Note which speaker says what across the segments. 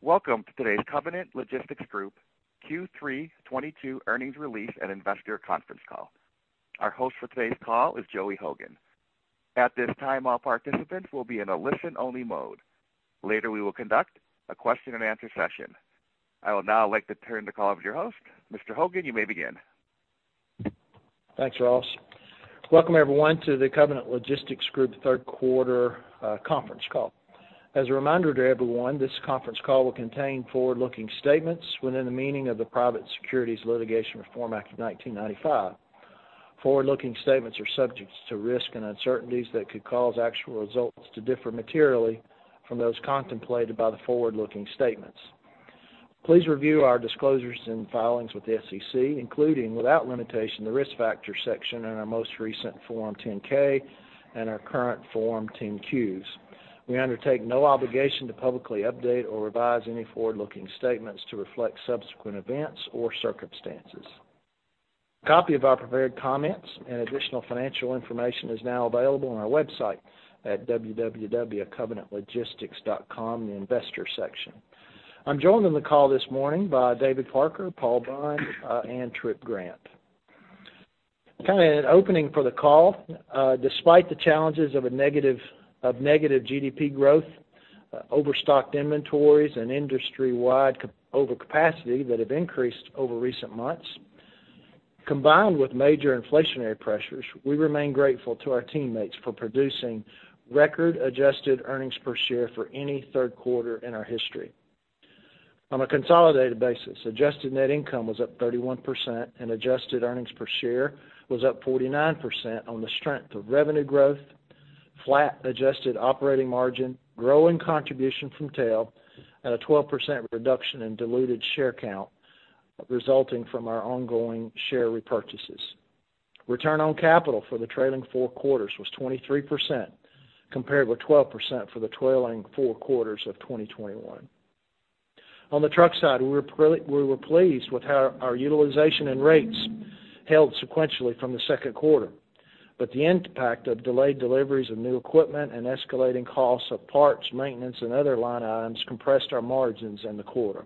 Speaker 1: Welcome to today's Covenant Logistics Group Q3 2022 earnings release and investor conference call. Our host for today's call is Joey Hogan. At this time, all participants will be in a listen-only mode. Later, we will conduct a question-and-answer session. I will now like to turn the call over to your host. Mr. Hogan, you may begin.
Speaker 2: Thanks, Ross. Welcome everyone to the Covenant Logistics Group third quarter conference call. As a reminder to everyone, this conference call will contain forward-looking statements within the meaning of the Private Securities Litigation Reform Act of 1995. Forward-looking statements are subject to risks and uncertainties that could cause actual results to differ materially from those contemplated by the forward-looking statements. Please review our disclosures and filings with the SEC, including without limitation, the Risk Factors section in our most recent Form 10-K and our current Form 10-Qs. We undertake no obligation to publicly update or revise any forward-looking statements to reflect subsequent events or circumstances. A copy of our prepared comments and additional financial information is now available on our website at www.covenantlogistics.com in the Investor section. I'm joined on the call this morning by David Parker, Paul Bunn, and Tripp Grant. Kind of an opening for the call. Despite the challenges of a negative GDP growth, overstocked inventories and industry-wide overcapacity that have increased over recent months, combined with major inflationary pressures, we remain grateful to our teammates for producing record adjusted earnings per share for any third quarter in our history. On a consolidated basis, adjusted net income was up 31% and adjusted earnings per share was up 49% on the strength of revenue growth, flat adjusted operating margin, growing contribution from TEL, and a 12% reduction in diluted share count resulting from our ongoing share repurchases. Return on capital for the trailing four quarters was 23%, compared with 12% for the trailing four quarters of 2021. On the truck side, we were pleased with how our utilization and rates held sequentially from the second quarter, but the impact of delayed deliveries of new equipment and escalating costs of parts, maintenance, and other line items compressed our margins in the quarter.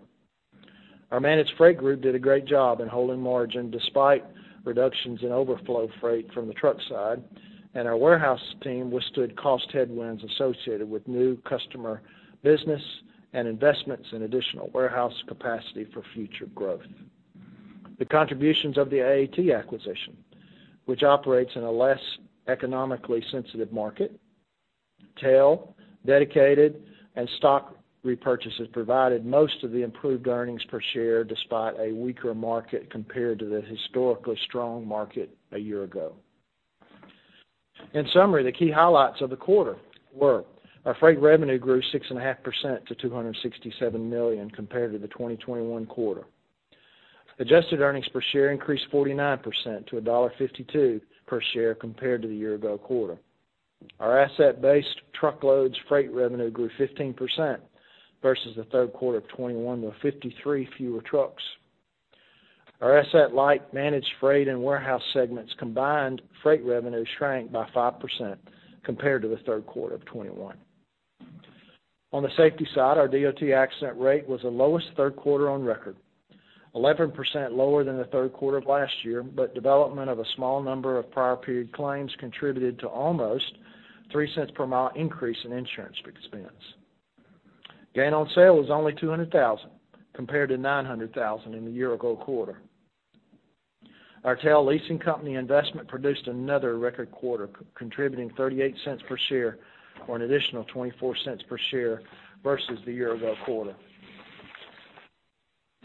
Speaker 2: Our managed freight group did a great job in holding margin despite reductions in overflow freight from the truck side, and our warehouse team withstood cost headwinds associated with new customer business and investments in additional warehouse capacity for future growth. The contributions of the AAT Carriers acquisition, which operates in a less economically sensitive market, tailwinds, dedicated and stock repurchases, provided most of the improved earnings per share despite a weaker market compared to the historically strong market a year ago. In summary, the key highlights of the quarter were. Our freight revenue grew 6.5% to $267 million compared to the 2021 quarter. Adjusted earnings per share increased 49% to $1.52 per share compared to the year-ago quarter. Our asset-based truckloads freight revenue grew 15% versus the third quarter of 2021 with 53 fewer trucks. Our asset-light Managed Freight and Warehousing segments combined freight revenue shrank by 5% compared to the third quarter of 2021. On the safety side, our DOT accident rate was the lowest third quarter on record, 11% lower than the third quarter of last year, but development of a small number of prior period claims contributed to almost 3 cents per mile increase in insurance expense. Gain on sale was only $200,000 compared to $900,000 in the year ago quarter. Our TEL leasing company investment produced another record quarter, contributing 38 cents per share, or an additional 24 cents per share versus the year ago quarter.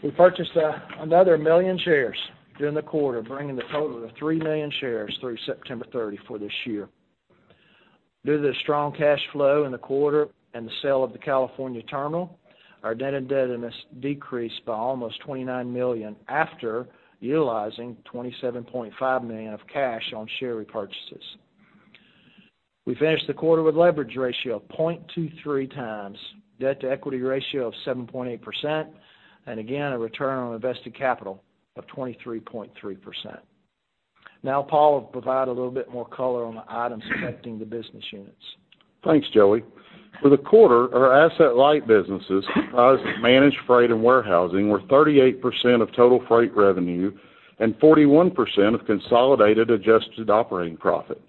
Speaker 2: We purchased another million shares during the quarter, bringing the total of three million shares through September 30 for this year. Due to the strong cash flow in the quarter and the sale of the California terminal, our net indebtedness decreased by almost $29 million after utilizing $27.5 million of cash on share repurchases. We finished the quarter with leverage ratio of 0.23x, debt-to-equity ratio of 7.8%, and again, a return on invested capital of 23.3%. Now Paul will provide a little bit more color on the items affecting the business units.
Speaker 3: Thanks, Joey. For the quarter, our asset-light businesses, Managed Freight and Warehousing, were 38% of total freight revenue and 41% of consolidated adjusted operating profit.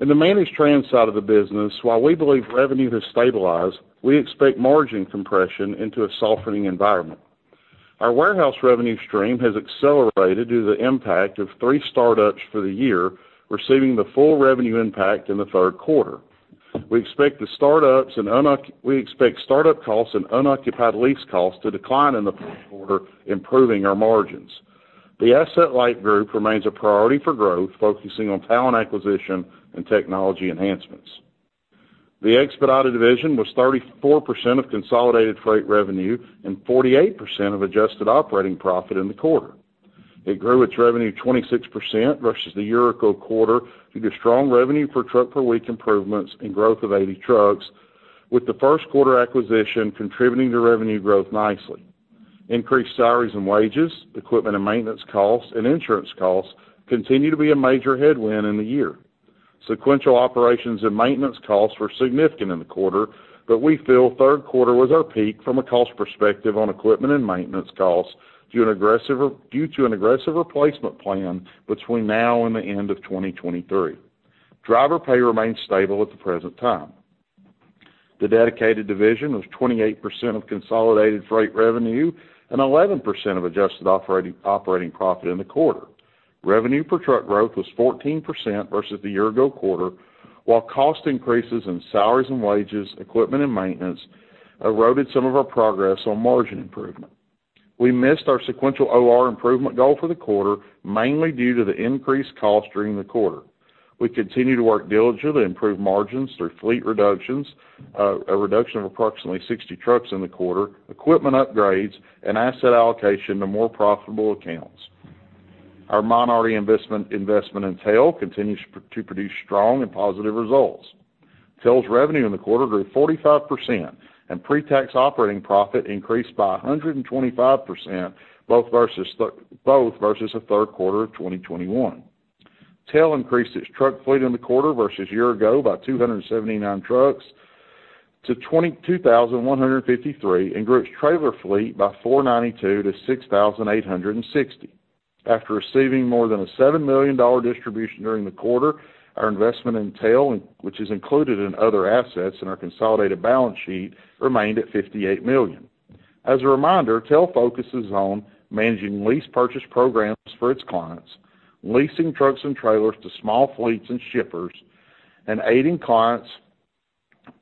Speaker 3: In the Managed Transportation side of the business, while we believe revenue has stabilized, we expect margin compression into a softening environment. Our warehouse revenue stream has accelerated due to the impact of three startups for the year, receiving the full revenue impact in the third quarter. We expect startup costs and unoccupied lease costs to decline in the fourth quarter, improving our margins. The asset-light group remains a priority for growth, focusing on talent acquisition and technology enhancements. The expedited division was 34% of consolidated freight revenue and 48% of adjusted operating profit in the quarter. It grew its revenue 26% versus the year-ago quarter due to strong revenue per truck per week improvements and growth of 80 trucks, with the first quarter acquisition contributing to revenue growth nicely. Increased salaries and wages, equipment and maintenance costs and insurance costs continue to be a major headwind in the year. Sequential operations and maintenance costs were significant in the quarter, but we feel third quarter was our peak from a cost perspective on equipment and maintenance costs due to an aggressive replacement plan between now and the end of 2023. Driver pay remains stable at the present time. The dedicated division was 28% of consolidated freight revenue and 11% of adjusted operating profit in the quarter. Revenue per truck growth was 14% versus the year ago quarter, while cost increases in salaries and wages, equipment and maintenance eroded some of our progress on margin improvement. We missed our sequential OR improvement goal for the quarter, mainly due to the increased cost during the quarter. We continue to work diligently to improve margins through fleet reductions, a reduction of approximately 60 trucks in the quarter, equipment upgrades and asset allocation to more profitable accounts. Our minority investment in TEL continues to produce strong and positive results. TEL's revenue in the quarter grew 45% and pre-tax operating profit increased by 125%, both versus the third quarter of 2021. TEL increased its truck fleet in the quarter versus year ago by 279 trucks to 22,153, and grew its trailer fleet by 492 to 6,860. After receiving more than a $7 million distribution during the quarter, our investment in TEL, which is included in other assets in our consolidated balance sheet, remained at $58 million. As a reminder, TEL focuses on managing lease purchase programs for its clients, leasing trucks and trailers to small fleets and shippers, and aiding clients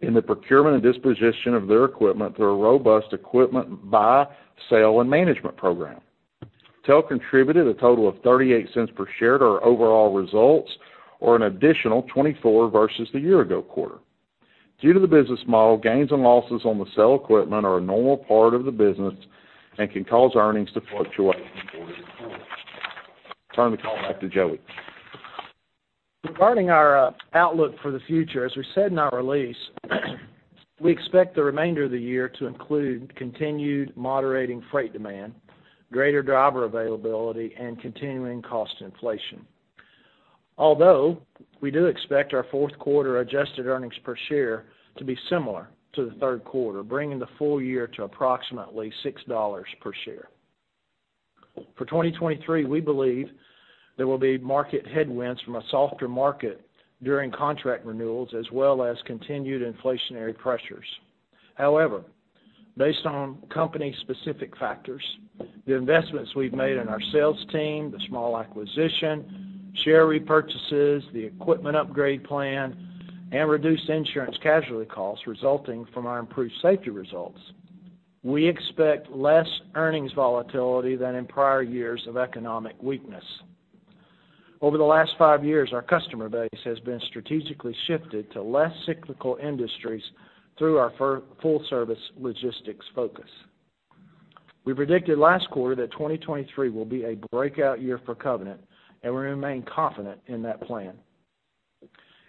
Speaker 3: in the procurement and disposition of their equipment through a robust equipment buy, sell and management program. TEL contributed a total of $0.38 per share to our overall results, or an additional $0.24 versus the year ago quarter. Due to the business model, gains and losses on the sale of equipment are a normal part of the business and can cause earnings to fluctuate quarter to quarter. Turn the call back to Joey.
Speaker 2: Regarding our outlook for the future, as we said in our release, we expect the remainder of the year to include continued moderating freight demand, greater driver availability and continuing cost inflation. Although, we do expect our fourth quarter adjusted earnings per share to be similar to the third quarter, bringing the full year to approximately $6 per share. For 2023, we believe there will be market headwinds from a softer market during contract renewals, as well as continued inflationary pressures. However, based on company specific factors, the investments we've made in our sales team, the small acquisition, share repurchases, the equipment upgrade plan, and reduced insurance casualty costs resulting from our improved safety results, we expect less earnings volatility than in prior years of economic weakness. Over the last five years, our customer base has been strategically shifted to less cyclical industries through our full service logistics focus. We predicted last quarter that 2023 will be a breakout year for Covenant, and we remain confident in that plan.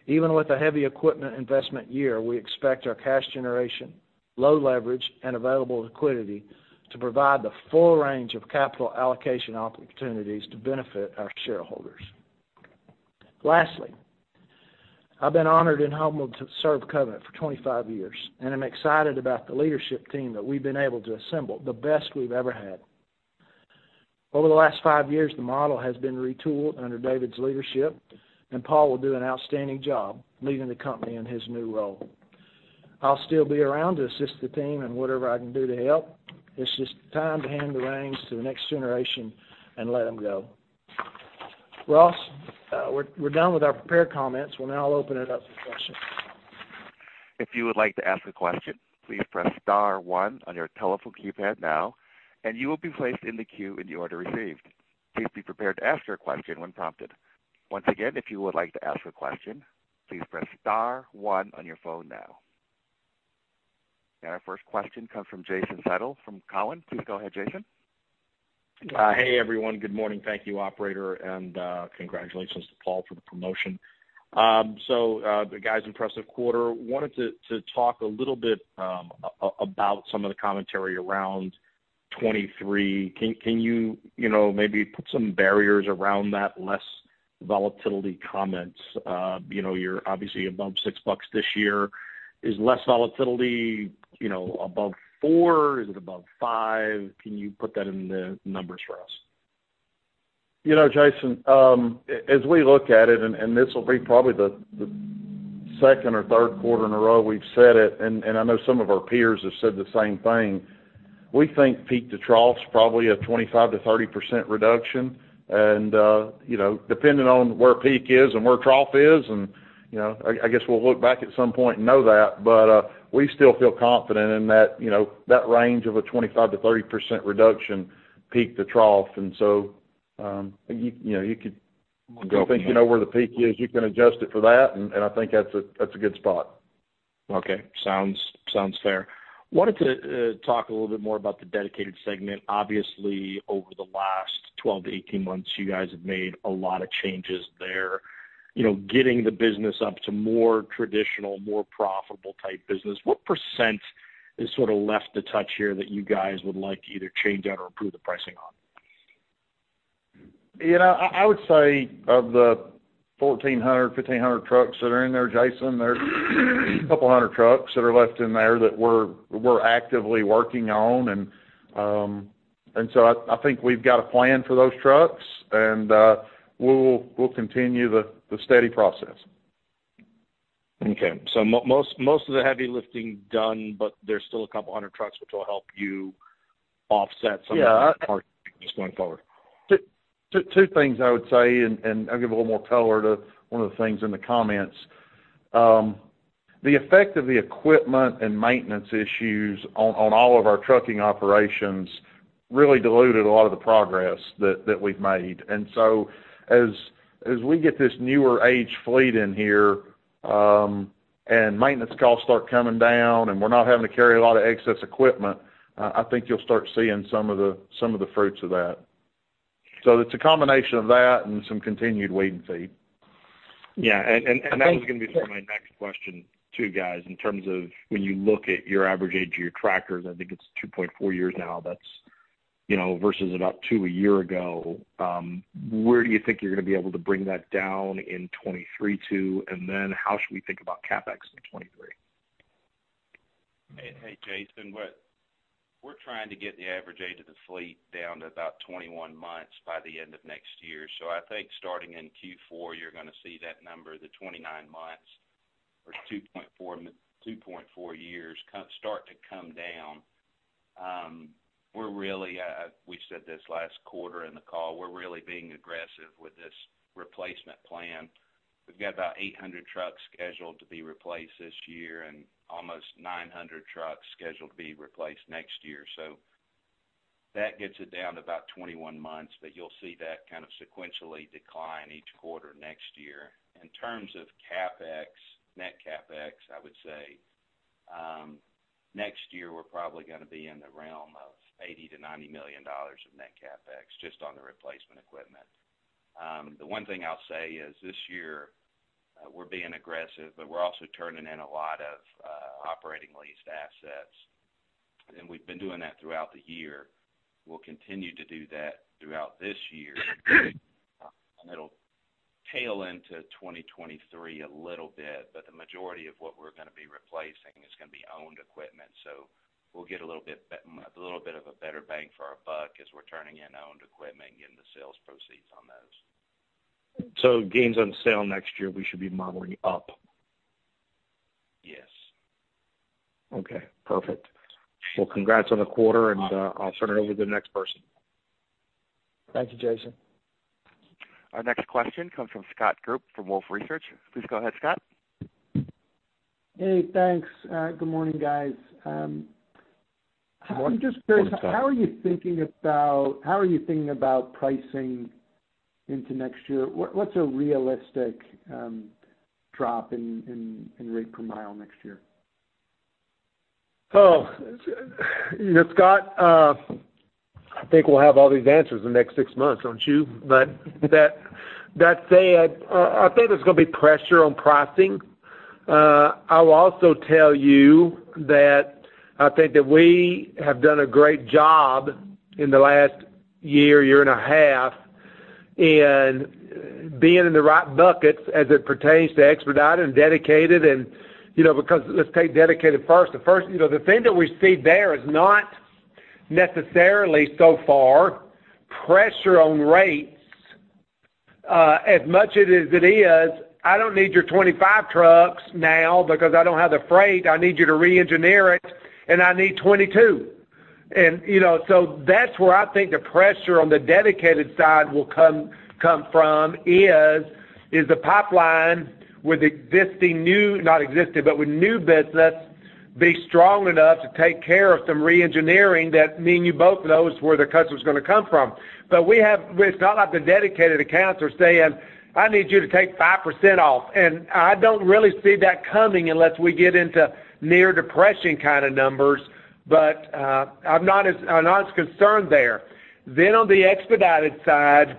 Speaker 2: Even with a heavy equipment investment year, we expect our cash generation, low leverage and available liquidity to provide the full range of capital allocation opportunities to benefit our shareholders. Lastly, I've been honored and humbled to serve Covenant for 25 years, and I'm excited about the leadership team that we've been able to assemble, the best we've ever had. Over the last five years, the model has been retooled under David's leadership, and Paul will do an outstanding job leading the company in his new role. I'll still be around to assist the team in whatever I can do to help. It's just time to hand the reins to the next generation and let them go. Ross, we're done with our prepared comments. We'll now open it up for questions.
Speaker 1: If you would like to ask a question, please press star one on your telephone keypad now, and you will be placed in the queue in the order received. Please be prepared to ask your question when prompted. Once again, if you would like to ask a question, please press star one on your phone now. Our first question comes from Jason Seidl from Cowen. Please go ahead, Jason.
Speaker 4: Hey, everyone. Good morning. Thank you, operator, and congratulations to Paul for the promotion. Guys, impressive quarter. Wanted to talk a little bit about some of the commentary around 2023. Can you know, maybe put some parameters around that less volatility comments? You know, you're obviously above $6 this year. Is less volatility, you know, above $4? Is it above $5? Can you put that into numbers for us?
Speaker 3: You know, Jason, as we look at it, and this will be probably the second or third quarter in a row we've said it, and I know some of our peers have said the same thing, we think peak to trough's probably a 25%-30% reduction. You know, depending on where peak is and where trough is, you know, I guess we'll look back at some point and know that, but we still feel confident in that, you know, that range of a 25%-30% reduction, peak to trough. You could-
Speaker 4: Go ahead.
Speaker 3: If you think you know where the peak is, you can adjust it for that, and I think that's a good spot.
Speaker 4: Okay. Sounds fair. Wanted to talk a little bit more about the Dedicated segment. Obviously, over the last 12-18 months, you guys have made a lot of changes there, you know, getting the business up to more traditional, more profitable type business. What percent is sort of left to touch here that you guys would like to either change out or improve the pricing on?
Speaker 5: You know, I would say of the 1,400, 1,500 trucks that are in there, Jason, there's a couple hundred trucks that are left in there that we're actively working on. I think we've got a plan for those trucks, and we'll continue the steady process.
Speaker 4: Okay. Most of the heavy lifting done, but there's still a couple hundred trucks which will help you offset some of that.
Speaker 5: Yeah.
Speaker 4: Just going forward.
Speaker 5: Two things I would say, and I'll give a little more color to one of the things in the comments. The effect of the equipment and maintenance issues on all of our trucking operations really diluted a lot of the progress that we've made. As we get this newer age fleet in here, and maintenance costs start coming down, and we're not having to carry a lot of excess equipment, I think you'll start seeing some of the fruits of that. It's a combination of that and some continued wait and see.
Speaker 4: Yeah. That was gonna be.
Speaker 5: Yeah.
Speaker 4: Sort of my next question too, guys, in terms of when you look at your average age of your tractors, I think it's 2.4 years now, that's you know, versus about two a year ago. Where do you think you're gonna be able to bring that down in 2023 too? And then how should we think about CapEx in 2023?
Speaker 6: Hey, hey, Jason. We're trying to get the average age of the fleet down to about 21 months by the end of next year. I think starting in Q4, you're gonna see that number, the 29 months or 2.4 years start to come down. We said this last quarter in the call. We're really being aggressive with this replacement plan. We've got about 800 trucks scheduled to be replaced this year and almost 900 trucks scheduled to be replaced next year. That gets it down to about 21 months, but you'll see that kind of sequentially decline each quarter next year. In terms of CapEx, net CapEx, I would say next year, we're probably gonna be in the realm of $80 million-$90 million of net CapEx just on the replacement equipment. The one thing I'll say is, this year, we're being aggressive, but we're also turning in a lot of operating leased assets. We've been doing that throughout the year. We'll continue to do that throughout this year. It'll tail into 2023 a little bit, but the majority of what we're gonna be replacing is gonna be owned equipment. We'll get a little bit of a better bang for our buck as we're turning in owned equipment and getting the sales proceeds on those.
Speaker 4: Gains on sale next year, we should be modeling up.
Speaker 6: Yes.
Speaker 4: Okay. Perfect. Well, congrats on the quarter and I'll turn it over to the next person.
Speaker 5: Thank you, Jason.
Speaker 1: Our next question comes from Scott Group from Wolfe Research. Please go ahead, Scott.
Speaker 7: Hey, thanks. Good morning, guys. I'm just curious.
Speaker 5: Good morning, Scott.
Speaker 7: How are you thinking about pricing into next year? What's a realistic drop in rate per mile next year?
Speaker 5: Oh, Scott, I think we'll have all these answers in the next six months, don't you? With that said, I think there's gonna be pressure on pricing. I will also tell you that I think that we have done a great job in the last year and a half in being in the right buckets as it pertains to expedited and dedicated and, you know, because let's take dedicated first. You know, the thing that we see there is not necessarily so far pressure on rates, as much as it is, I don't need your 25 trucks now because I don't have the freight. I need you to re-engineer it, and I need 22. You know, so that's where I think the pressure on the dedicated side will come from is the pipeline with existing new. Not existing, with new business, be strong enough to take care of some re-engineering that neither you both knows where the customer is gonna come from. We have. It's not like the dedicated accounts are saying, "I need you to take 5% off." I don't really see that coming unless we get into near depression kind of numbers. I'm not as concerned there. On the expedited side,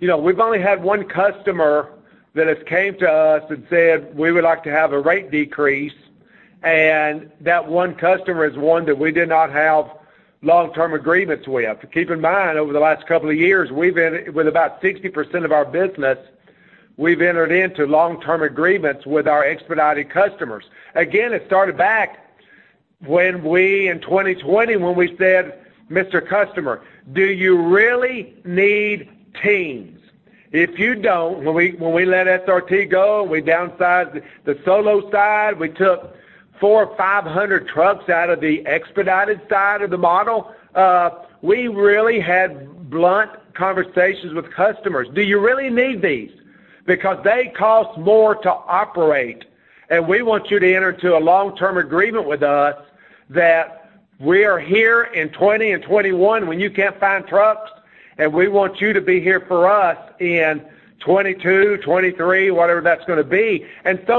Speaker 5: you know, we've only had one customer that has came to us and said, "We would like to have a rate decrease." That one customer is one that we did not have long-term agreements with. Keep in mind, over the last couple of years, we've been with about 60% of our business, we've entered into long-term agreements with our expedited customers. Again, it started back when we, in 2020 when we said, "Mr. Customer, do you really need teams?" When we let SRT go, and we downsized the solo side, we took 400 or 500 trucks out of the expedited side of the model. We really had blunt conversations with customers. Do you really need these? Because they cost more to operate, and we want you to enter into a long-term agreement with us that we are here in 2020 and 2021 when you can't find trucks, and we want you to be here for us in 2022, 2023, whatever that's gonna be. So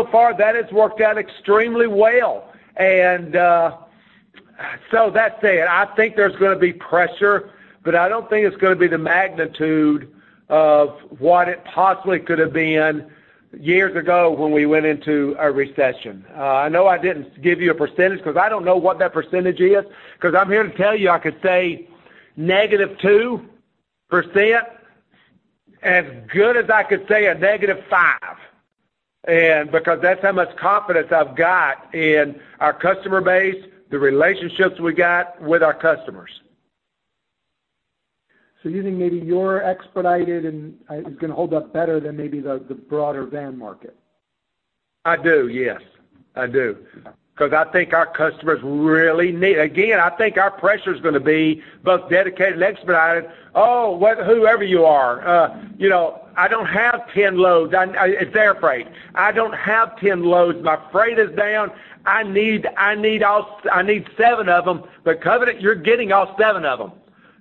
Speaker 5: that said, I think there's gonna be pressure, but I don't think it's gonna be the magnitude of what it possibly could have been.
Speaker 3: Years ago when we went into a recession. I know I didn't give you a percentage because I don't know what that percentage is, because I'm here to tell you, I could say negative 2% as good as I could say a negative 5%, and because that's how much confidence I've got in our customer base, the relationships we got with our customers.
Speaker 7: You think maybe your Expedited is gonna hold up better than maybe the broader van market?
Speaker 3: I do, yes. I do. Because I think our customers really need. Again, I think our pressure is gonna be both dedicated and expedited. Whoever you are, you know, I don't have 10 loads. It's air freight. I don't have 10 loads. My freight is down. I need 7 of them, but Covenant, you're getting all seven of them.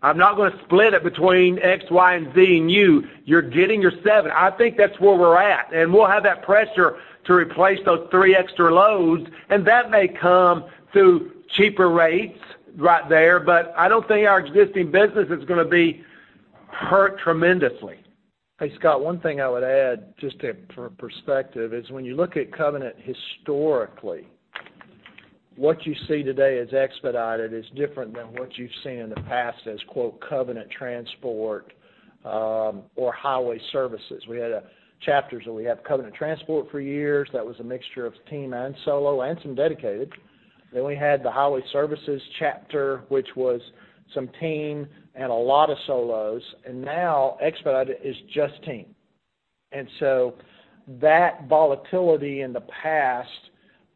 Speaker 3: I'm not gonna split it between X, Y, and Z and you. You're getting your 7. I think that's where we're at, and we'll have that pressure to replace those three extra loads, and that may come through cheaper rates right there. I don't think our existing business is gonna be hurt tremendously.
Speaker 2: Hey, Scott, one thing I would add, just to, for perspective, is when you look at Covenant historically, what you see today as expedited is different than what you've seen in the past as, quote, Covenant Transport, or Highway Services. We had chapters where we had Covenant Transport for years, that was a mixture of team and solo and some dedicated. We had the Highway Services chapter, which was some team and a lot of solos. Now expedited is just team. That volatility in the past,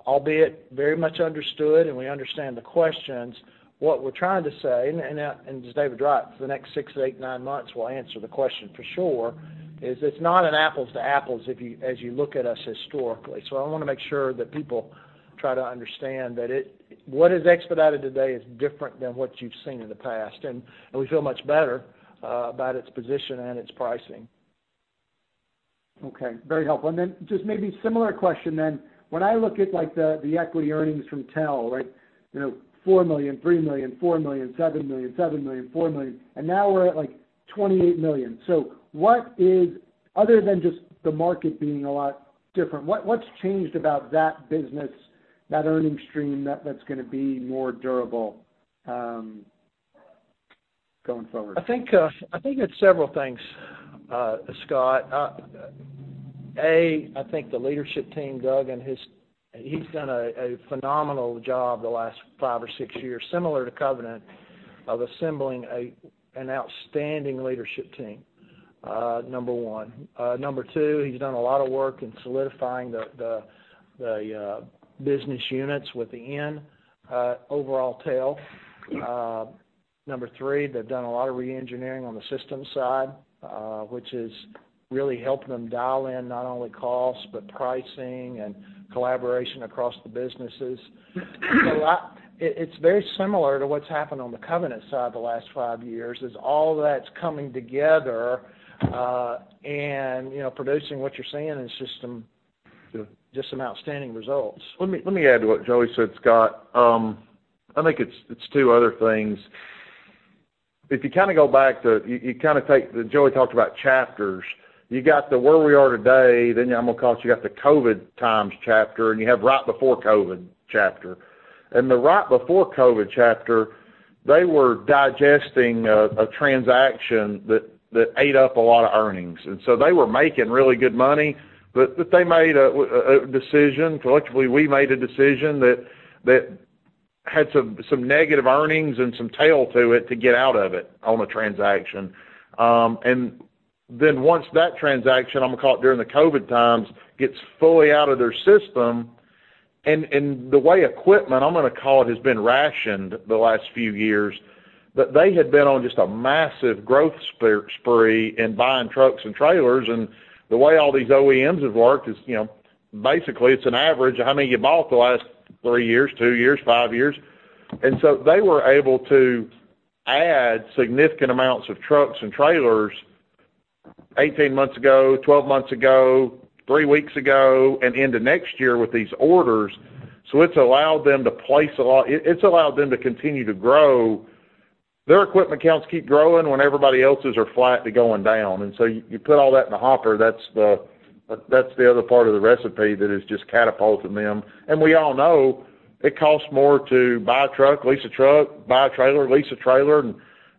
Speaker 2: albeit very much understood, and we understand the questions, what we're trying to say, and as David brought, the next six to eight, nine months will answer the question for sure, is it's not an apples-to-apples if you as you look at us historically. I wanna make sure that people try to understand that what is expedited today is different than what you've seen in the past, and we feel much better about its position and its pricing.
Speaker 7: Okay, very helpful. Just maybe similar question then. When I look at, like, the equity earnings from TEL, right, you know, $4 million, $3 million, $4 million, $7 million, $7 million, $4 million, and now we're at, like, $28 million. Other than just the market being a lot different, what's changed about that business, that earnings stream that's gonna be more durable going forward?
Speaker 2: I think it's several things, Scott. A, I think the leadership team, Doug and his. He's done a phenomenal job the last five or six years, similar to Covenant, of assembling an outstanding leadership team, number one. Number two, he's done a lot of work in solidifying the business units within overall TEL. Number three, they've done a lot of re-engineering on the systems side, which is really helping them dial in not only costs, but pricing and collaboration across the businesses. It's very similar to what's happened on the Covenant side the last five years, is all that's coming together, and you know, producing what you're seeing is just some outstanding results.
Speaker 3: Let me add to what Joey said, Scott. I think it's two other things. If you kinda go back to, you kinda take the. Joey talked about chapters. You got the where we are today, then I'm gonna call it, you got the COVID times chapter, and you have right before COVID chapter. In the right before COVID chapter, they were digesting a transaction that ate up a lot of earnings. They were making really good money, but they made a decision, collectively, we made a decision that had some negative earnings and some tail to it to get out of it on a transaction. Once that transaction, I'm gonna call it during the COVID times, gets fully out of their system, and the way equipment, I'm gonna call it, has been rationed the last few years, that they had been on just a massive growth spree in buying trucks and trailers. The way all these OEMs have worked is, you know, basically, it's an average of how many you bought the last three years, two years, five years. They were able to add significant amounts of trucks and trailers 18 months ago, 12 months ago, three weeks ago, and into next year with these orders. It's allowed them to place a lot. It's allowed them to continue to grow. Their equipment counts keep growing when everybody else's are flat to going down. You put all that in the hopper, that's the other part of the recipe that is just catapulting them. We all know it costs more to buy a truck, lease a truck, buy a trailer, lease a trailer,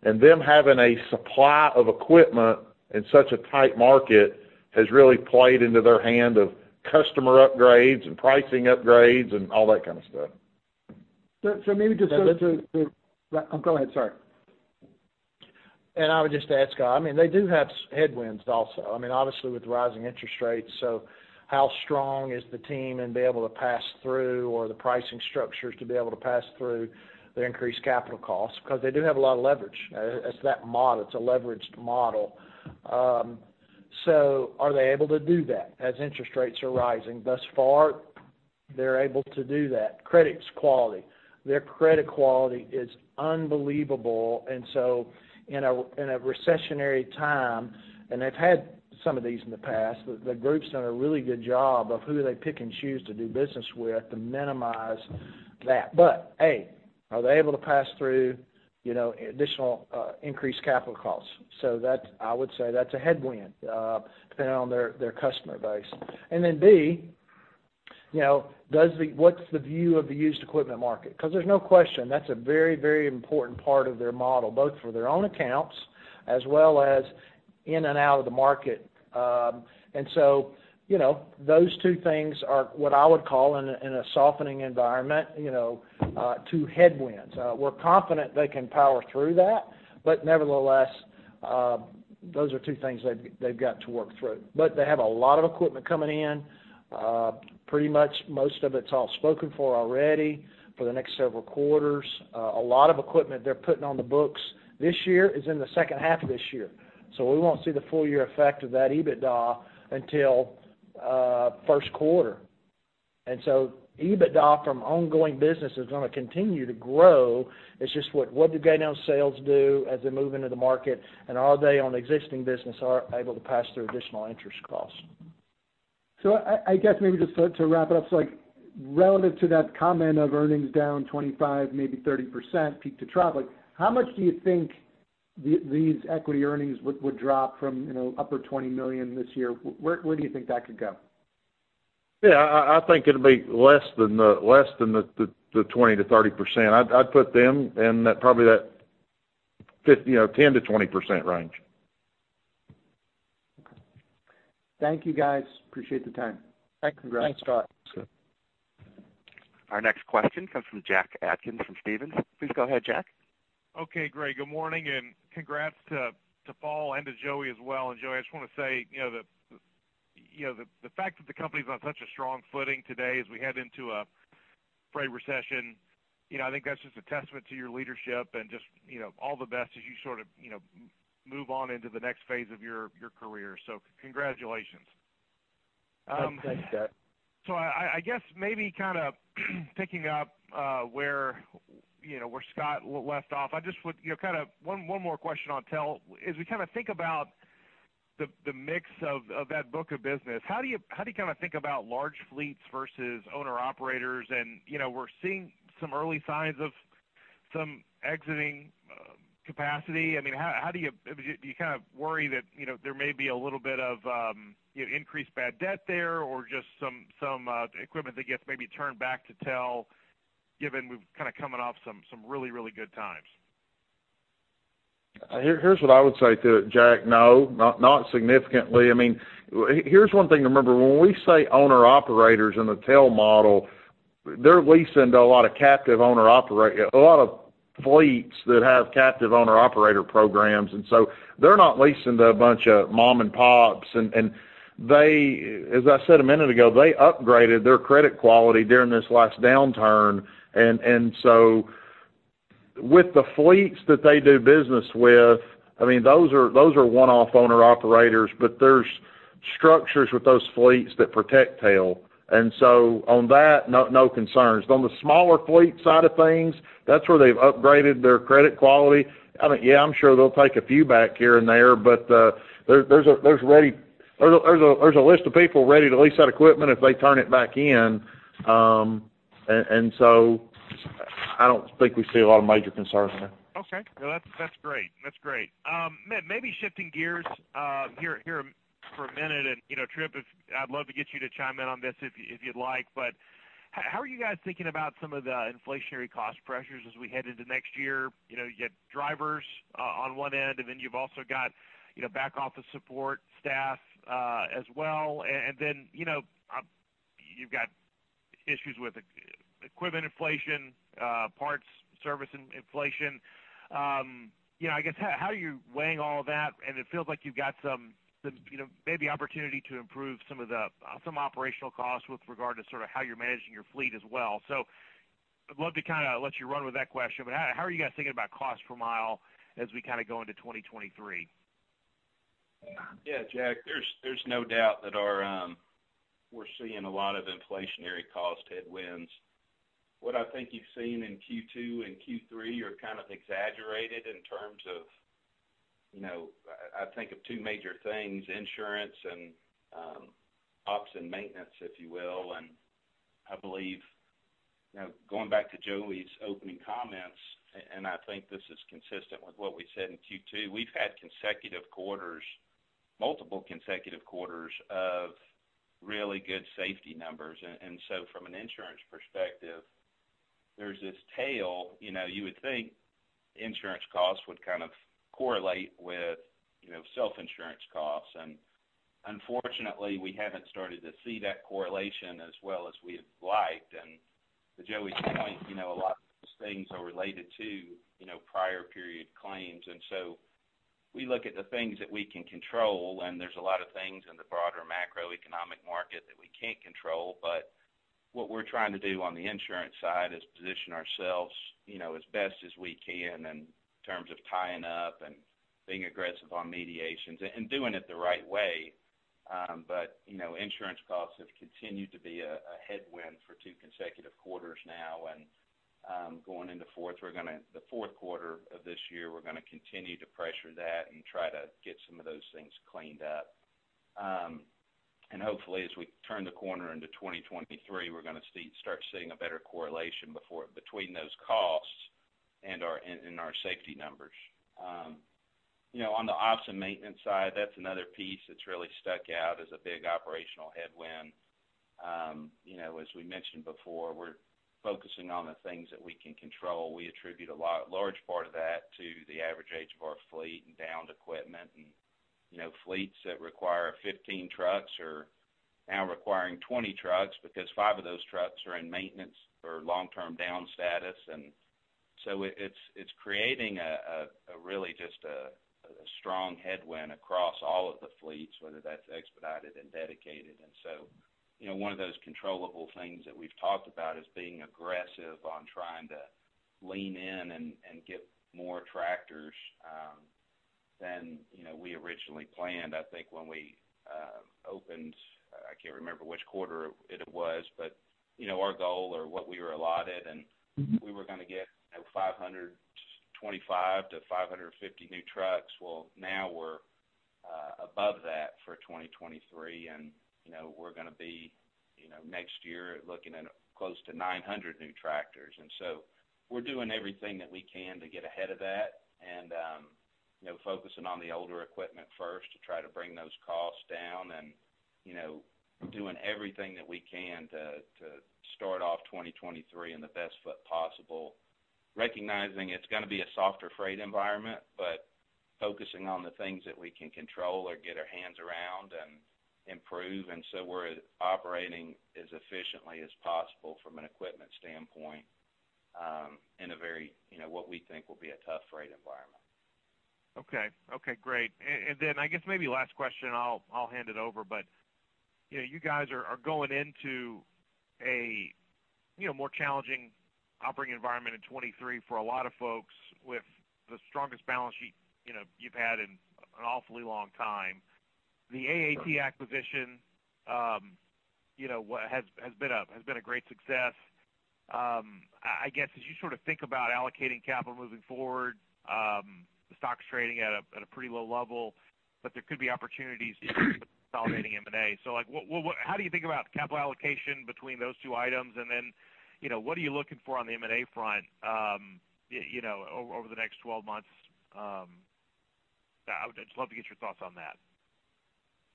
Speaker 3: and them having a supply of equipment in such a tight market has really played into their hand of customer upgrades and pricing upgrades and all that kind of stuff.
Speaker 7: So, so maybe just to-
Speaker 2: Yeah.
Speaker 7: Oh, go ahead, sorry.
Speaker 2: I would just add, Scott, I mean, they do have headwinds also, I mean, obviously, with rising interest rates. How strong is the team in being able to pass through or the pricing structures to be able to pass through the increased capital costs? Because they do have a lot of leverage. It's a leveraged model. Are they able to do that as interest rates are rising? Thus far, they're able to do that. Their credit quality is unbelievable. In a recessionary time, and they've had some of these in the past, the group's done a really good job of who they pick and choose to do business with to minimize that. Are they able to pass through? You know, additional increased capital costs. I would say that's a headwind, depending on their customer base. B, you know, what's the view of the used equipment market? 'Cause there's no question, that's a very, very important part of their model, both for their own accounts as well as in and out of the market. You know, two headwinds. We're confident they can power through that, but nevertheless, those are two things they've got to work through. They have a lot of equipment coming in. Pretty much most of it's all spoken for already for the next several quarters. A lot of equipment they're putting on the books this year is in the second half of this year, so we won't see the full year effect of that EBITDA until first quarter. EBITDA from ongoing business is gonna continue to grow. It's just what do gain on sales do as they move into the market and are they on existing business are able to pass through additional interest costs.
Speaker 7: I guess maybe just to wrap it up. Like, relative to that comment of earnings down 25%, maybe 30% peak-to-trough, like, how much do you think these equity earnings would drop from, you know, upper $20 million this year? Where do you think that could go?
Speaker 3: Yeah, I think it'll be less than the 20%-30%. I'd put them in that probably you know, 10%-20% range.
Speaker 7: Thank you, guys. Appreciate the time.
Speaker 6: Thanks.
Speaker 3: Congrats.
Speaker 6: Thanks, Scott.
Speaker 1: Our next question comes from Jack Atkins from Stephens. Please go ahead, Jack.
Speaker 8: Okay, great. Good morning, and congrats to Paul and to Joey as well. Joey, I just wanna say, you know, the fact that the company's on such a strong footing today as we head into a freight recession, you know, I think that's just a testament to your leadership and just, you know, all the best as you sort of, you know, move on into the next phase of your career. Congratulations.
Speaker 6: Thanks, Jack.
Speaker 8: I guess maybe kinda picking up where you know Scott left off, you know kinda one more question on TEL. As we kinda think about the mix of that book of business, how do you kinda think about large fleets versus owner-operators? You know, we're seeing some early signs of some exiting capacity. I mean, do you kind of worry that you know there may be a little bit of increased bad debt there or just some equipment that gets maybe turned back to TEL, given we've kinda coming off some really good times?
Speaker 3: Here's what I would say to it, Jack. No, not significantly. I mean, here's one thing to remember. When we say owner-operators in the TEL model, they're leasing to a lot of captive owner-operators, a lot of fleets that have captive owner-operator programs, and so they're not leasing to a bunch of mom and pops. They, as I said a minute ago, they upgraded their credit quality during this last downturn. So with the fleets that they do business with, I mean, those are one-off owner-operators, but there's structures with those fleets that protect TEL. On that, no concerns. On the smaller fleet side of things, that's where they've upgraded their credit quality. I mean, yeah, I'm sure they'll take a few back here and there, but there's a list of people ready to lease that equipment if they turn it back in. I don't think we see a lot of major concerns there.
Speaker 8: Okay. No, that's great. Maybe shifting gears here for a minute. You know, Tripp, I'd love to get you to chime in on this if you'd like. How are you guys thinking about some of the inflationary cost pressures as we head into next year? You know, you got drivers on one end, and then you've also got, you know, back office support staff, as well. Then, you know, you've got issues with equipment inflation, parts service inflation. You know, I guess how are you weighing all of that? It feels like you've got some opportunity to improve some of the operational costs with regard to sort of how you're managing your fleet as well. I'd love to kinda let you run with that question, but how are you guys thinking about cost per mile as we kinda go into 2023?
Speaker 6: Yeah, Jack, there's no doubt that we're seeing a lot of inflationary cost headwinds. What I think you've seen in Q2 and Q3 are kind of exaggerated in terms of, you know, I think of two major things, insurance and ops and maintenance, if you will. I believe, you know, going back to Joey's opening comments, and I think this is consistent with what we said in Q2, we've had consecutive quarters, multiple consecutive quarters of really good safety numbers. So from an insurance perspective, there's this tail. You know, you would think insurance costs would kind of correlate with, you know, self-insurance costs. Unfortunately, we haven't started to see that correlation as well as we'd liked. To Joey's point, you know, a lot of those things are related to, you know, prior period claims. We look at the things that we can control, and there's a lot of things in the broader macroeconomic market that we can't control. What we're trying to do on the insurance side is position ourselves, you know, as best as we can in terms of tying up and being aggressive on mediations and doing it the right way. You know, insurance costs have continued to be a headwind for two consecutive quarters now. Going into the fourth quarter of this year, we're gonna continue to pressure that and try to get some of those things cleaned up. Hopefully as we turn the corner into 2023, we're gonna start seeing a better correlation between those costs and our safety numbers. You know, on the ops and maintenance side, that's another piece that's really stuck out as a big operational headwind. You know, as we mentioned before, we're focusing on the things that we can control. We attribute a large part of that to the average age of our fleet and downed equipment and, you know, fleets that require 15 trucks are now requiring 20 trucks because five off those trucks are in maintenance or long-term down status. It's creating a really just a strong headwind across all of the fleets, whether that's expedited and dedicated. You know, one of those controllable things that we've talked about is being aggressive on trying to lean in and get more tractors than we originally planned. I think when we opened, I can't remember which quarter it was, but you know, our goal or what we were allotted and We were gonna get, you know, 525 to 550 new trucks. Well, now we're above that for 2023, and, you know, we're gonna be, you know, next year looking at close to 900 new tractors. We're doing everything that we can to get ahead of that and, you know, focusing on the older equipment first to try to bring those costs down and, you know, doing everything that we can to start off 2023 in the best foot possible. Recognizing it's gonna be a softer freight environment, but focusing on the things that we can control or get our hands around and improve. We're operating as efficiently as possible from an equipment standpoint, in a very, you know, what we think will be a tough freight environment.
Speaker 8: Okay. Okay, great. And then I guess maybe last question, I'll hand it over. You know, you guys are going into a, you know, more challenging operating environment in 2023 for a lot of folks with the strongest balance sheet, you know, you've had in an awfully long time. The AAT acquisition, you know, has been a great success. I guess, as you sort of think about allocating capital moving forward, the stock's trading at a pretty low level, but there could be opportunities consolidating M&A. Like what how do you think about capital allocation between those two items? Then, you know, what are you looking for on the M&A front, you know, over the next 12 months? I would just love to get your thoughts on that.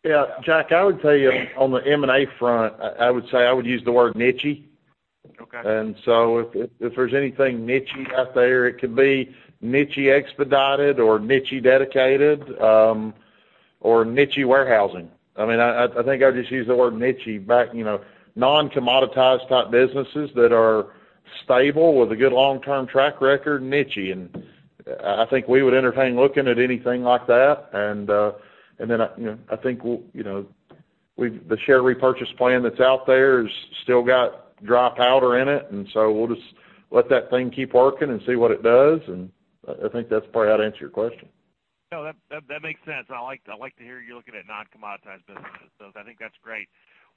Speaker 3: Yeah, Jack, I would tell you on the M&A front, I would say I would use the word niche-y.
Speaker 8: Okay.
Speaker 3: If there's anything niche-y out there, it could be niche-y expedited or niche-y dedicated, or niche-y warehousing. I mean, I think I just use the word niche-y. You know, non-commoditized type businesses that are stable with a good long-term track record, niche-y. I think we would entertain looking at anything like that. You know, I think the share repurchase plan that's out there has still got dry powder in it, and so we'll just let that thing keep working and see what it does. I think that's probably how to answer your question.
Speaker 8: No, that makes sense. I like to hear you're looking at non-commoditized businesses, so I think that's great.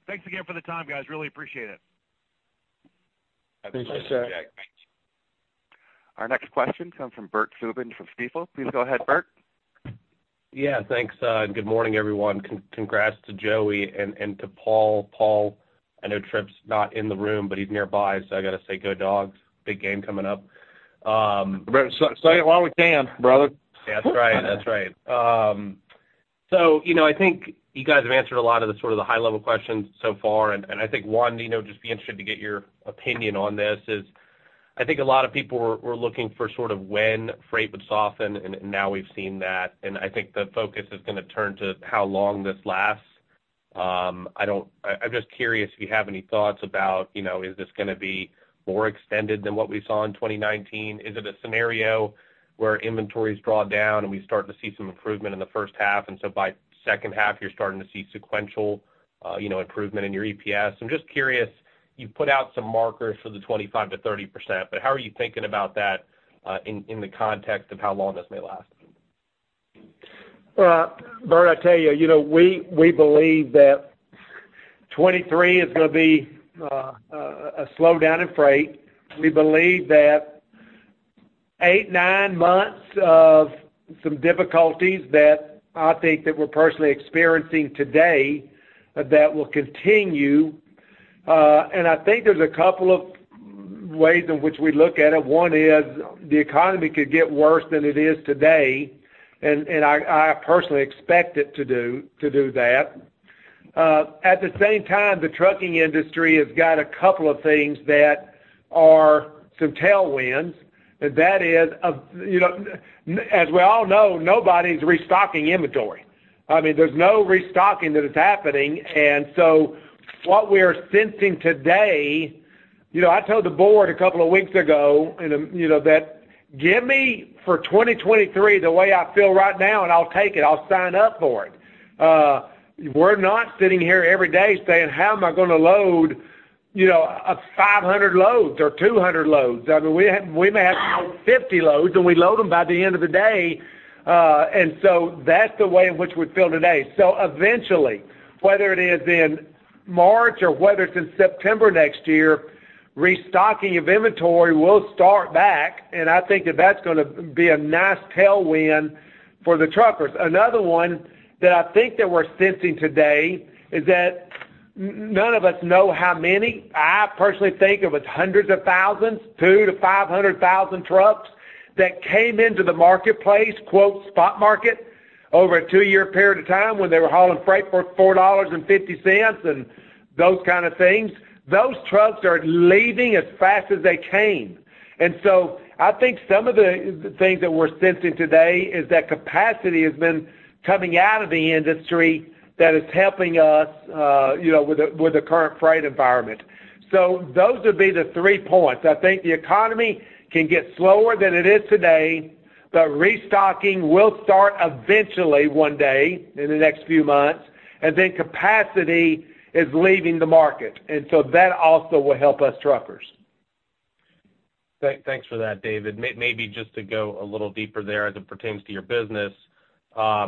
Speaker 8: Thanks again for the time, guys. Really appreciate it.
Speaker 6: Thanks, Jack.
Speaker 1: Our next question comes from Bert Subin from Stifel. Please go ahead, Bert.
Speaker 9: Yeah, thanks, good morning, everyone. Congrats to Joey and to Paul. Paul, I know Tripp's not in the room, but he's nearby, so I gotta say, go Dawgs. Big game coming up.
Speaker 6: Say it while we can, brother.
Speaker 9: That's right. You know, I think you guys have answered a lot of the sort of high level questions so far. I'd be interested to get your opinion on this. I think a lot of people were looking for sort of when freight would soften, and now we've seen that. I think the focus is gonna turn to how long this lasts. I'm just curious if you have any thoughts about, you know, is this gonna be more extended than what we saw in 2019? Is it a scenario where inventory's drawn down and we start to see some improvement in the first half, and so by second half, you're starting to see sequential, you know, improvement in your EPS? I'm just curious, you've put out some markers for the 25%-30%, but how are you thinking about that in the context of how long this may last?
Speaker 5: Well, Bert, I tell you know, we believe that 23 is gonna be a slowdown in freight. We believe that 8, 9 months of some difficulties that I think that we're personally experiencing today, that will continue. I think there's a couple of ways in which we look at it. One is the economy could get worse than it is today, and I personally expect it to do that. At the same time, the trucking industry has got a couple of things that are some tailwinds. That is, you know. As we all know, nobody's restocking inventory. I mean, there's no restocking that is happening. What we're sensing today. You know, I told the board a couple of weeks ago, and, you know, that give me for 2023 the way I feel right now, and I'll take it. I'll sign up for it. We're not sitting here every day saying, "How am I gonna load, you know, 500 loads or 200 loads?" I mean, we may have to load 50 loads, and we load them by the end of the day. That's the way in which we feel today. Eventually, whether it is in March or whether it's in September next year. Restocking of inventory will start back, and I think that that's gonna be a nice tailwind for the truckers. Another one that I think that we're sensing today is that none of us know how many. I personally think it was hundreds of thousands, 200,000-500,000 trucks that came into the marketplace, quote, "spot market" over a two-year period of time when they were hauling freight for $4.50 and those kind of things. Those trucks are leaving as fast as they came. I think some of the things that we're sensing today is that capacity has been coming out of the industry that is helping us, you know, with the current freight environment. Those would be the three points. I think the economy can get slower than it is today, but restocking will start eventually one day in the next few months. Capacity is leaving the market, and so that also will help us truckers.
Speaker 9: Thanks for that, David. Maybe just to go a little deeper there as it pertains to your business.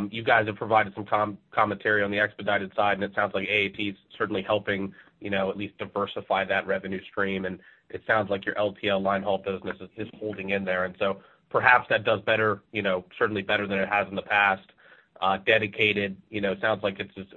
Speaker 9: You guys have provided some commentary on the expedited side, and it sounds like AAT is certainly helping, you know, at least diversify that revenue stream. It sounds like your LTL line haul business is holding in there. Perhaps that does better, you know, certainly better than it has in the past. Dedicated, you know, sounds like it's just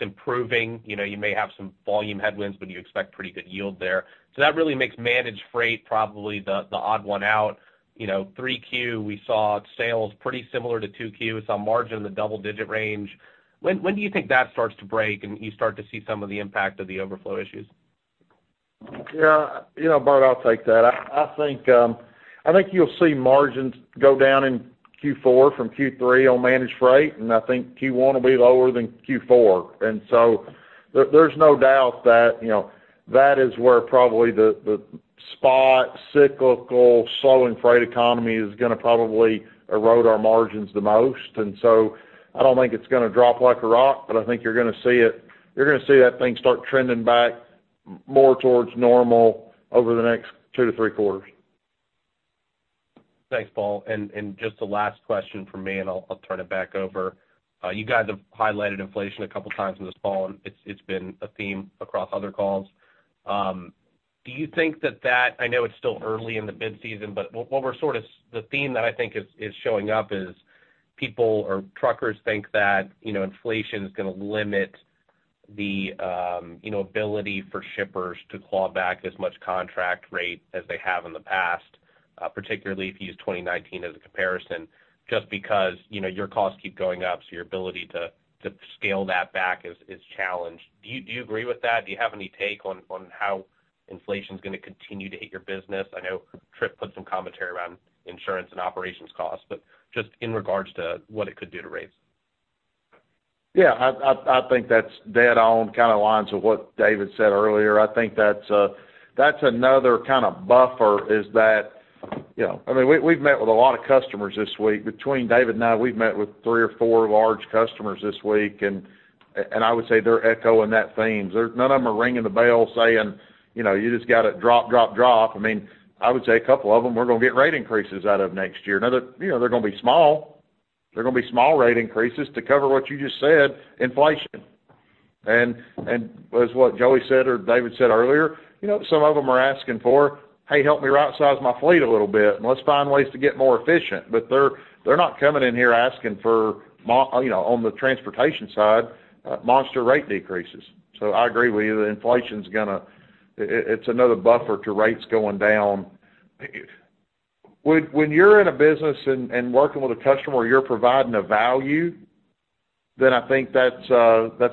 Speaker 9: improving. You know, you may have some volume headwinds, but you expect pretty good yield there. That really makes Managed Freight probably the odd one out. You know, 3Q, we saw sales pretty similar to 2Q. It's op margin in the double-digit range. When do you think that starts to break and you start to see some of the impact of the overflow issues?
Speaker 3: Yeah, you know, Bert, I'll take that. I think you'll see margins go down in Q4 from Q3 on Managed Freight, and I think Q1 will be lower than Q4. There's no doubt that that is where probably the spot cyclical slowing freight economy is gonna probably erode our margins the most. I don't think it's gonna drop like a rock, but I think you're gonna see that thing start trending back more towards normal over the next two to three quarters.
Speaker 9: Thanks, Paul. Just the last question from me, and I'll turn it back over. You guys have highlighted inflation a couple times in this call, and it's been a theme across other calls. Do you think that I know it's still early in the mid-season, but the theme that I think is showing up is people or truckers think that, you know, inflation is gonna limit the, you know, ability for shippers to claw back as much contract rate as they have in the past, particularly if you use 2019 as a comparison, just because, you know, your costs keep going up, so your ability to scale that back is challenged. Do you agree with that? Do you have any take on how inflation's gonna continue to hit your business? I know Tripp put some commentary around insurance and operations costs, but just in regards to what it could do to rates.
Speaker 3: Yeah. I think that's dead on, kind of lines with what David said earlier. I think that's another kind of buffer, that you know, I mean, we've met with a lot of customers this week. Between David and I, we've met with three or four large customers this week, and I would say they're echoing that theme. None of them are ringing the bell saying, you know, "You just gotta drop, drop." I mean, I would say a couple of them, we're gonna get rate increases out of next year. Now they're, you know, they're gonna be small rate increases to cover what you just said, inflation. As what Joey said or David said earlier, you know, some of them are asking for, "Hey, help me rightsize my fleet a little bit, and let's find ways to get more efficient." But they're not coming in here asking for you know, on the transportation side, monster rate decreases. I agree with you. The inflation's gonna. It's another buffer to rates going down. When you're in a business and working with a customer where you're providing a value, then I think that's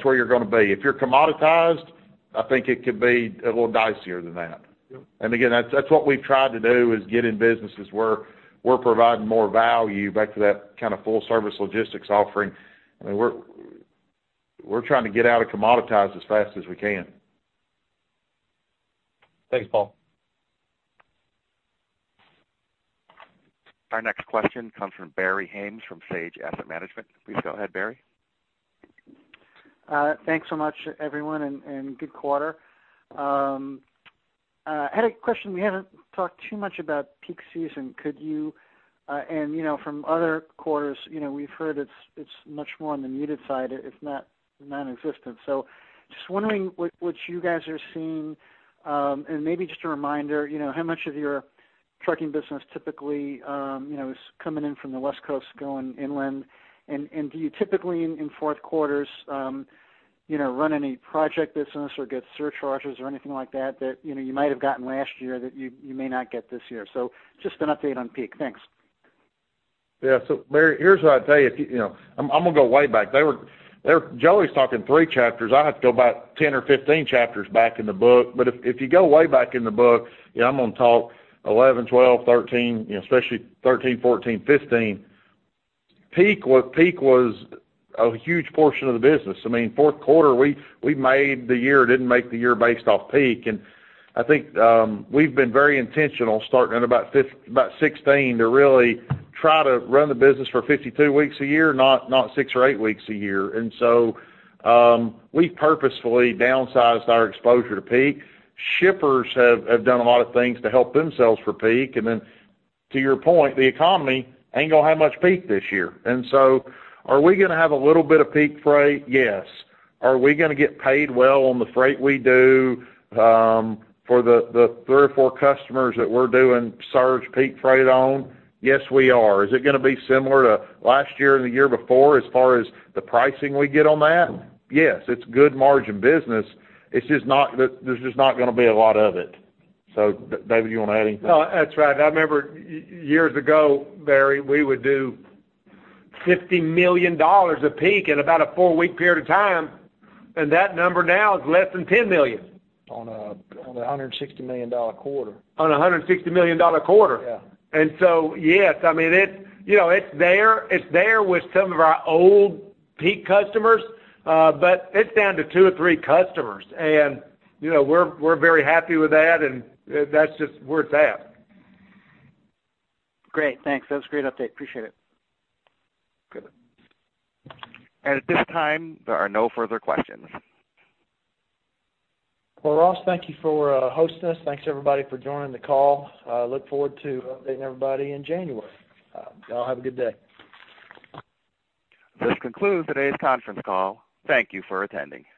Speaker 3: where you're gonna be. If you're commoditized, I think it could be a little dicier than that.
Speaker 5: Yep.
Speaker 3: Again, that's what we've tried to do, is get in businesses where we're providing more value back to that kind of full service logistics offering. I mean, we're trying to get out of commoditized as fast as we can.
Speaker 9: Thanks, Paul.
Speaker 1: Our next question comes from Barry Haimes from Sage Asset Management. Please go ahead, Barry.
Speaker 10: Thanks so much, everyone, and good quarter. I had a question. We haven't talked too much about peak season. Could you know, from other quarters, you know, we've heard it's much more on the muted side, if not nonexistent. Just wondering what you guys are seeing, and maybe just a reminder, you know, how much of your trucking business typically, you know, is coming in from the West Coast going inland. Do you typically in fourth quarters, you know, run any project business or get surcharges or anything like that, you know, you might have gotten last year that you may not get this year? Just an update on peak. Thanks.
Speaker 3: Yeah. Barry, here's what I'd say. If you know, I'm gonna go way back. Joey's talking three chapters. I have to go back 10 or 15 chapters back in the book. If you go way back in the book, you know, I'm gonna talk 11, 12, 13, you know, especially 13, 14, 15, peak was a huge portion of the business. I mean, fourth quarter, we made the year, didn't make the year based off peak. I think we've been very intentional starting in about 2016 to really try to run the business for 52 weeks a year, not 6 or 8 weeks a year. We've purposefully downsized our exposure to peak. Shippers have done a lot of things to help themselves for peak. To your point, the economy ain't gonna have much peak this year. Are we gonna have a little bit of peak freight? Yes. Are we gonna get paid well on the freight we do for the three or four customers that we're doing surge peak freight on? Yes, we are. Is it gonna be similar to last year and the year before as far as the pricing we get on that? Yes, it's good margin business. There's just not gonna be a lot of it. David, you wanna add anything?
Speaker 5: No, that's right. I remember years ago, Barry, we would do $50 million at peak in about a four-week period of time, and that number now is less than $10 million.
Speaker 3: On a $160 million quarter.
Speaker 5: On a $160 million quarter.
Speaker 3: Yeah.
Speaker 5: Yes, I mean, it's, you know, it's there with some of our old peak customers, but it's down to two or three customers. You know, we're very happy with that, and that's just where it's at.
Speaker 10: Great. Thanks. That was a great update. Appreciate it.
Speaker 5: Good.
Speaker 1: At this time, there are no further questions.
Speaker 5: Well, Ross, thank you for hosting us. Thanks, everybody, for joining the call. Look forward to updating everybody in January. Y'all have a good day.
Speaker 1: This concludes today's conference call. Thank you for attending.